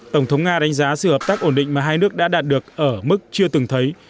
tổng thống nga đánh giá sự hợp tác ổn định mà hai nước đã đạt được ở mức chưa từng thấy